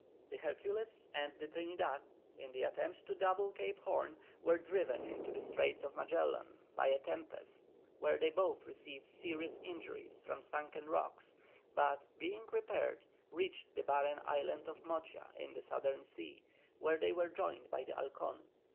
The Hercules and the Trinidad, in the attempt to double Cape Horn, were driven into the Straits of Magellan by a tempest, where they both received serious injury from sunken rocks, but, being repaired, reached the barren island of Mocha in the Southern Sea, where they were joined by the Halcon.